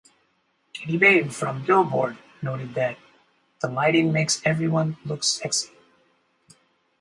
Katie Bain from "Billboard" noted that "the lighting makes everyone look sexy".